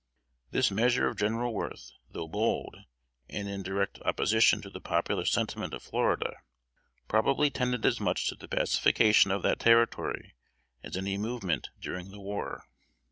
This measure of General Worth, though bold, and in direct opposition to the popular sentiment of Florida, probably tended as much to the pacification of that Territory as any movement during the war.